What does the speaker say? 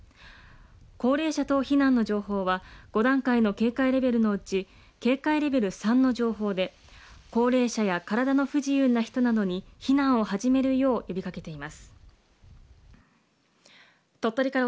高齢者等避難の情報は、５段階の警戒レベルのうち、警戒レベル３の情報で、高齢者や体の不自由な人などに避難を始めるよう呼びかけています。